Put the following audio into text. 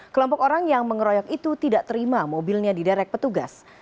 kelompok orang yang mengeroyok itu tidak terima mobilnya diderek petugas